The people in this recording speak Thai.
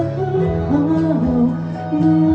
แค่ปล่อยเขาไป